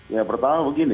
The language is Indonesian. ya pertama begini